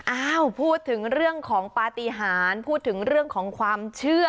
อ้าวพูดถึงเรื่องของปฏิหารพูดถึงเรื่องของความเชื่อ